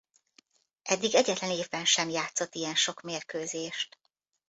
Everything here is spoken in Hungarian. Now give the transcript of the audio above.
Eddig egyetlen évben sem játszott ilyen sok mérkőzést.